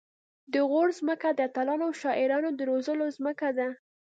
د غور ځمکه د اتلانو او شاعرانو د روزلو ځمکه ده